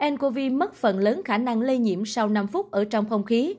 ncov mất phần lớn khả năng lây nhiễm sau năm phút ở trong không khí